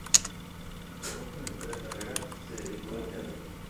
Tras no finalizar la carrera, se dedicó al teatro.